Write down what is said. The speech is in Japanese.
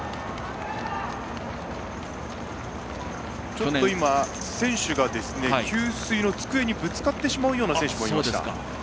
ちょっと今、選手が給水の机にぶつかってしまうような選手もいました。